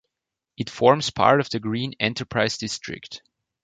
It forms part of the Green Enterprise District.